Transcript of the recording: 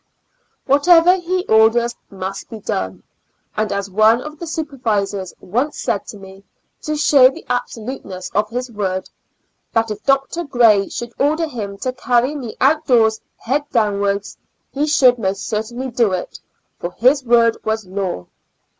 Whatever he orders must be done, and as one of the supervisors once said to me, to show the absoluteness of his word, " That if Dr. Gray should order him to, carry me out doors head downwards he should most certainly do it, for his word was law."